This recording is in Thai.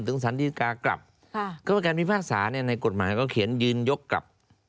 ซึ่งศาลดีกากลับก็ประการวิภาษาเนี่ยในกฎหมายก็เขียนยืนยกกลับ